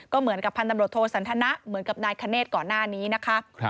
ก็เหมือนกับพันตำรวจโทสันทนะเหมือนกับนายคเนธก่อนหน้านี้นะคะ